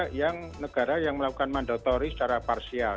ada yang negara yang melakukan mandatori secara parsial